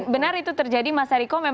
benar itu terjadi mas eriko